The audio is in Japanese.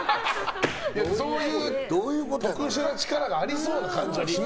そういう特殊な力がありそうな感じがしますよ。